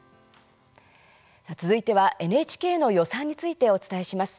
続いては、ＮＨＫの予算についてお伝えします。